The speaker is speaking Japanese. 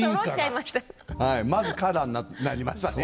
まずカラーになりましたね。